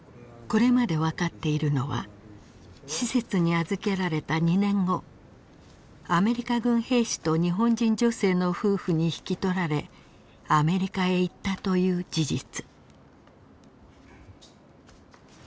これまで分かっているのは施設に預けられた２年後アメリカ軍兵士と日本人女性の夫婦に引き取られアメリカへ行ったという事実。